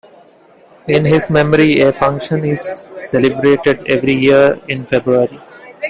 In his memory a function is celebrated every year in February.